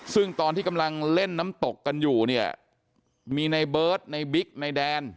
ซึ่งตอนที่กำลังเล่นน้ำตกกันอยู่เนี่ยมีในเบิร์ตในบิ๊กในแดน